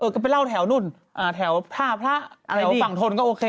เออก็ไปเล่าแถวนู่นแถวภาพระแถวฝั่งทนก็โอเค